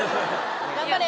頑張れ！